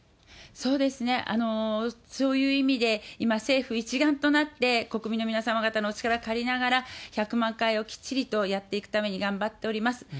そうですね、そういう意味で、今、政府一丸となって国民の皆様方のお力借りながら、１００万回をきっちりとやっていくために頑張っております。